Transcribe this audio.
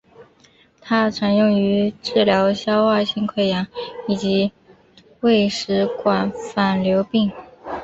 它常用于治疗消化性溃疡以及胃食管反流病。